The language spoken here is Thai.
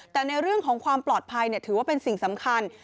แต่ในเรื่องของความปลอดภัยถือว่าเป็นสิ่งสำคัญ